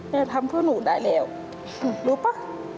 ทำเพื่อหนูได้แล้วรู้ป่ะ